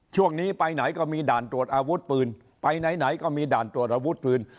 ช่วงนี้ไปไหนก็มีด่านตรวจอาวุธปืนไปไหนก็มีด่านตรวจอาวุธปืน